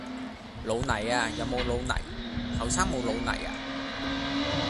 老泥呀，有冇老泥？後生冇老泥啊？